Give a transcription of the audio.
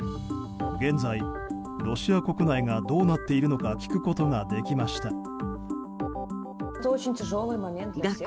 現在、ロシア国内がどうなっているのか聞くことができました。